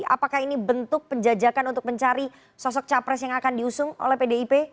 apakah ini bentuk penjajakan untuk mencari sosok capres yang akan diusung oleh pdip